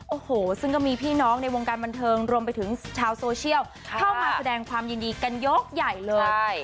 โอ้โหซึ่งก็มีพี่น้องในวงการบันเทิงรวมไปถึงชาวโซเชียลเข้ามาแสดงความยินดีกันยกใหญ่เลย